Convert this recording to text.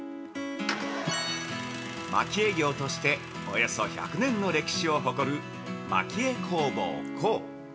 蒔絵業としておよそ１００年の歴史を誇る蒔絵工房孝。